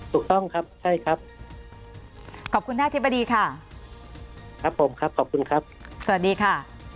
ถูกต้องครับใช่ครับขอบคุณท่านอธิบดีค่ะครับผมครับขอบคุณครับสวัสดีค่ะ